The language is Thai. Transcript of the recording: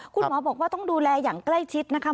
คุณหมอบอกว่าต้องดูแลอย่างใกล้ชิดนะคะ